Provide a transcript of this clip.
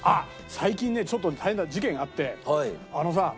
最近ねちょっと大変な事件があって。